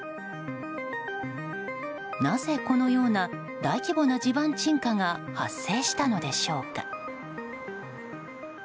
なぜこのような、大規模な地盤沈下が発生したのでしょうか。